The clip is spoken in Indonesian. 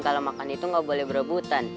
kalau makan itu nggak boleh berebutan